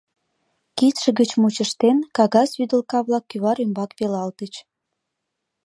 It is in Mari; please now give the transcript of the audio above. Кидше гыч мучыштен, кагаз вӱдылка-влак кӱвар ӱмбак велалтыч.